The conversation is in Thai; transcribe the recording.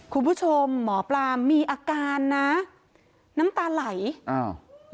คุณผู้ชมหมอปลามีอาการนะน้ำตาไหลอ้าว